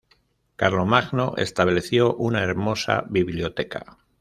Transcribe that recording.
Carlomagno estableció una hermosa biblioteca.